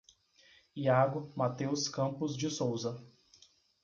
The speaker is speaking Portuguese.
Yago Mateus Campos de Souza